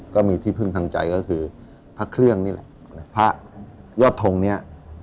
ก็มีที่พึ่งทางใจก็คือพระเครื่องนี่แหละพระยอดทงเนี่ย